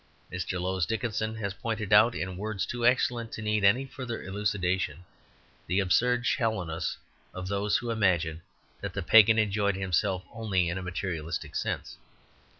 Mr. Lowes Dickinson has pointed out in words too excellent to need any further elucidation, the absurd shallowness of those who imagine that the pagan enjoyed himself only in a materialistic sense.